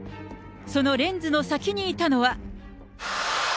そのレンズの先にいたのは。